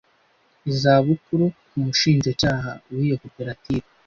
izabukuru k umushinjacyaha wiyo coperative